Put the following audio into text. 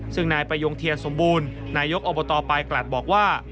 ซึ่งนายประยงเทียนสมบูรณ์นายกอบตปลายกลัดบอกว่า